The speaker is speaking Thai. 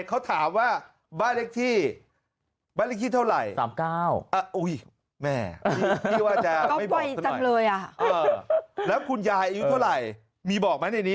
เขาถามว่าบ้านเลขที่เท่าไหร่๓๙แม่ก็ไม่บอกเลยอ่ะแล้วคุณยายอายุเท่าไหร่มีบอกไหมในนี้